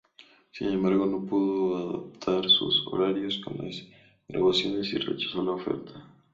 Sin embargo no pudo adaptar sus horarios con las grabaciones y rechazó la oferta.